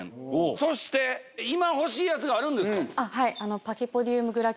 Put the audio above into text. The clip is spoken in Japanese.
そして今欲しいやつがあるんですか？